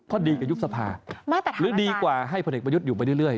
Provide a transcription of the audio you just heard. เพราะดีกับยุบสภาหรือดีกว่าให้พลเอกประยุทธ์อยู่ไปเรื่อย